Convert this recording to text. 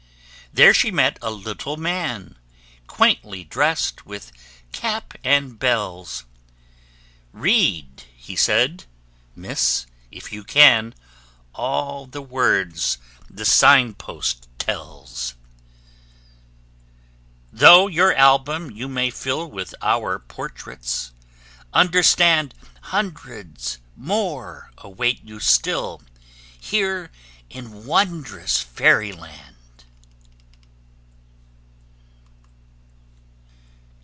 There she met a little man. Quaintly dressed, with cap and bells: "Read," he said, "Miss, if you can, All the words the sign post tells. "Though your album you may fill With our portraits, understand Hundreds more await you still Here in wondrous Fairyland."